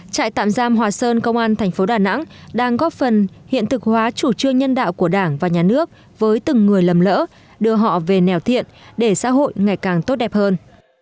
trại tạm giam hòa sơn công an thành phố đà nẵng đang góp phần hiện thực hóa chủ trương nhân đạo của đảng và nhà nước với từng người lầm lỡ đưa họ về nẻo thiện để xã hội ngày càng tốt đẹp hơn